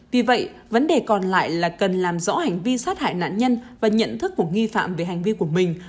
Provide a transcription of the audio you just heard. vì vậy vấn đề còn lại là cần làm rõ hành vi sát hại nạn nhân và nhận thức của nghi phạm về hành vi của mình